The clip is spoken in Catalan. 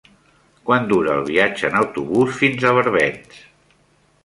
Quant dura el viatge en autobús fins a Barbens?